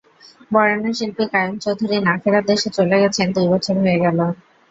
বরেণ্য শিল্পী কাইয়ুম চৌধুরী না-ফেরার দেশে চলে গেছেন দুই বছর হয়ে গেল।